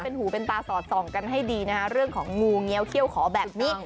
เป็นหูเป็นตาสอดส่องกันให้ดีนะคะเรื่องของงูเงี้ยวเขี้ยวขอแบบนี้